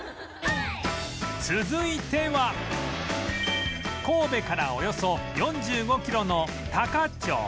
続いては神戸からおよそ４５キロの多可町